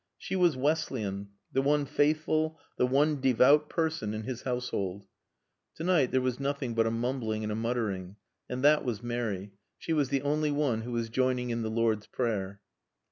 She was Wesleyan, the one faithful, the one devout person in his household. To night there was nothing but a mumbling and a muttering. And that was Mary. She was the only one who was joining in the Lord's Prayer.